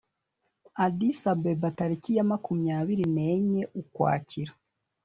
addis-abeba, tariki ya makumyabiri nenye ukwakira